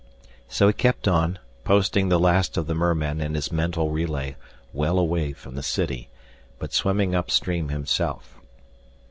So he kept on, posting the last of the mermen in his mental relay well away from the city, but swimming upstream himself.